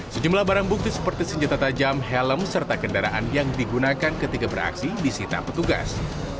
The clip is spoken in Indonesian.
sejumlah barang bukti seperti senjata tajam helm serta kendaraan yang digunakan ketika beraksi disita petugas